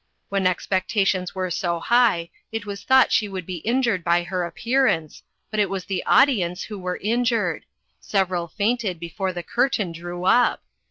When expectations were so high, it was thought she would be injured by her appearance, but it was the audience who were injured: several fainted before the curtain drew up!